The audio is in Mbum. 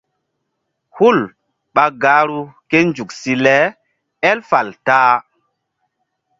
Hul ɓa gahru ké nzuk si le él fal ta-a.